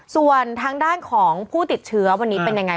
ส่วนทางด้านของผู้ติดเชื้อวันนี้เป็นยังไง